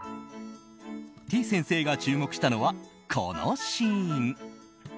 てぃ先生が注目したのはこのシーン。